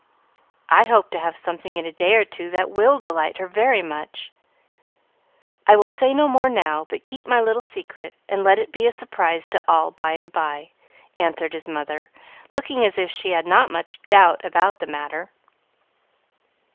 "I hope to have something in a day or two that will delight her very much. I will say no more now, but keep my little secret and let it be a surprise to all by and by," answered his mother, looking as if she had not much doubt about the matter.